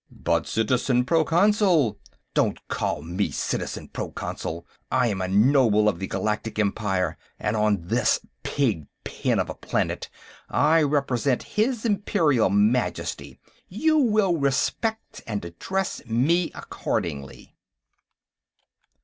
"But, Citizen Proconsul...." "And don't call me Citizen Proconsul! I am a noble of the Galactic Empire, and on this pigpen of a planet I represent his Imperial Majesty. You will respect, and address, me accordingly."